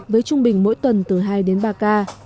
với trung bình mỗi tuần từ hai đến ba ca